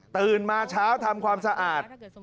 ตื่นมาเช้าทำความสะอาด